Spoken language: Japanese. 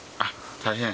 大変？